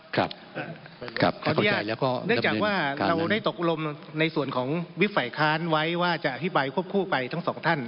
ครับที่เข้าใจแล้วก็เราได้ด้นเรื่องจากว่าเราได้ตกลงในส่วนของวิคษภัยทลอยว่าจะอภิปรายควบคู่ไปทั้งสองท่าน